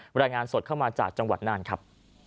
รายงานสดเข้ามาจากจังหวัดน่านครับ